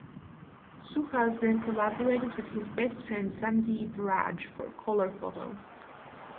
Suhas then collaborated with his best friend Sandeep Raj for "Colour Photo".